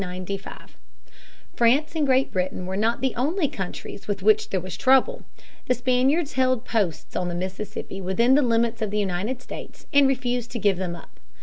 ] 216. The Spanish Treaty of 1795. France and Great Britain were not the only countries with which there was trouble. The Spaniards held posts on the Mississippi, within the limits of the United States and refused to give them up.